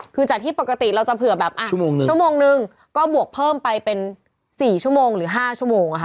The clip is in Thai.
คือจากที่ปกติเราจะเผื่อแบบชั่วโมงหนึ่งก็บวกเพิ่มไปเป็น๔๕ชั่วโมง